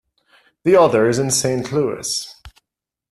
The other is in Saint Louis.